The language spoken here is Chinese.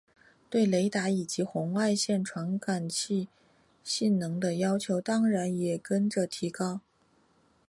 对雷达以及红外线传感器性能的要求当然也跟着提高。